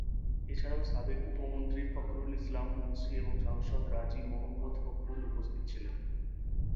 এছাড়াও সাবেক উপমন্ত্রী ফখরুল ইসলাম মুন্সী এবং সাংসদ রাজী মোহাম্মদ ফখরুল উপস্থিত ছিলেন।